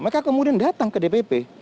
mereka kemudian datang ke dpp